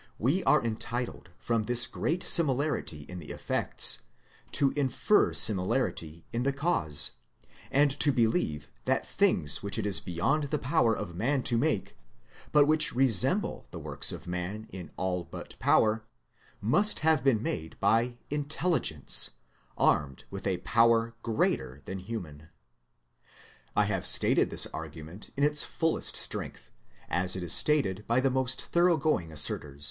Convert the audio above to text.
We are entitled, from this great similarity in the effects, to infer similarity in the cause, and to believe that things which it is beyond the power of man to make, but which resemble the works of man in all but power, must also have been made by Intelligence, armed with a power greater than human. I have stated this argument in its fullest strength, as it is stated by its most thoroughgoing assertors.